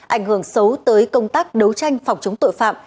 ảnh hưởng xấu tới công tác đấu tranh phòng chống tội phạm